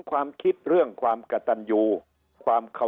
ลูกเรื่องพรรดินละคร